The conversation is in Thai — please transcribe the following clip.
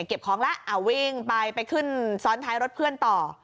เก็บของแล้ววิ่งไปไปขึ้นซ้อนท้ายรถเพื่อนต่อ